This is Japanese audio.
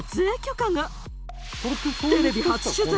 テレビ初取材！